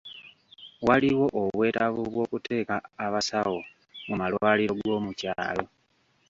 Waliwo obwetaavu bw'okuteeka abasawo mu malwaliro goomukyalo.